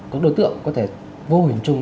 các đối tượng có thể vô hình chung